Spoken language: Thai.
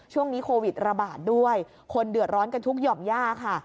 ช่วงนี้โควิดระบาดด้วยคนเดือดร้อนกันทุกหย่อมย่าค่ะ